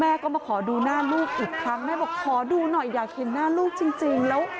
ก็มาขอดูหน้าลูกอีกครั้งแม่บอกขอดูหน่อยอยากเห็นหน้าลูกจริงแล้ว